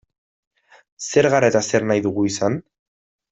Zer gara eta zer nahi dugu izan?